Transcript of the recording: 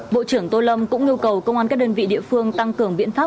bộ trưởng tô lâm cũng yêu cầu công an các đơn vị địa phương tăng cường biện pháp